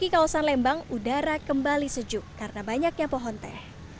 di kawasan lembang udara kembali sejuk karena banyaknya pohon teh